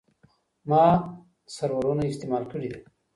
ما سرورونه استعمال کړي دي.